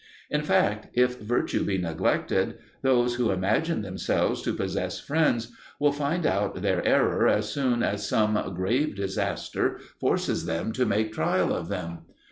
In fact, if virtue be neglected, those who imagine themselves to possess friends will find out their error as soon as some grave disaster forces them to make trial of them.